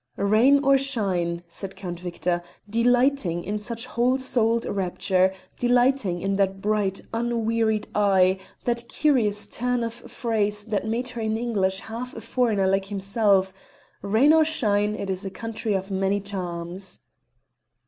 "Rain or shine," said Count Victor, delighting in such whole souled rapture, delighting in that bright, unwearied eye, that curious turn of phrase that made her in English half a foreigner like himself "Rain or shine, it is a country of many charms."